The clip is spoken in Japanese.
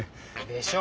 でしょ？